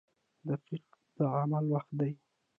• دقیقه د عمل وخت دی.